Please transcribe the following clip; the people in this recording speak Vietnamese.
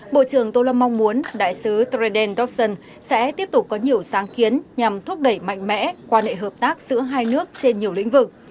bộ trưởng tô lâm mong muốn đại sứ treden dobson sẽ tiếp tục có nhiều sáng kiến nhằm thúc đẩy mạnh mẽ quan hệ hợp tác giữa hai nước trên nhiều lĩnh vực